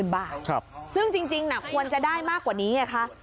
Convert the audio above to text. บาทซึ่งจริงควรจะได้มากกว่านี้ไงคะ